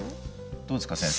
どうですか先生？